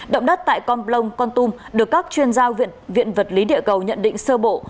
động đất tại con plông con tum được các chuyên gia viện vật lý địa cầu nhận định sơ bộ